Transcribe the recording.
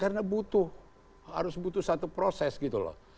karena butuh harus butuh satu proses gitu loh